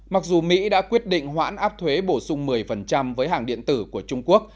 mặc dù mỹ đã quyết định hoãn áp thuế bổ sung một mươi với hàng điện tử của trung quốc